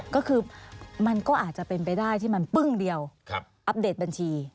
ก็คือมันก็อาจจะเป็นไปได้ที่มันปึ้งเดียวอัปเดตบัญชี